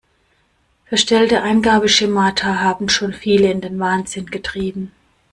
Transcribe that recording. Verstellte Eingabeschemata haben schon viele in den Wahnsinn getrieben.